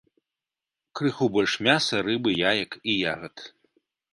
Крыху больш мяса, рыбы, яек і ягад.